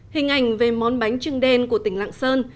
hình ảnh về món bánh trưng đen của tỉnh lạng sơn